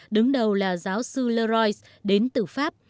đứng đầu là giáo sư leroyce đến từ pháp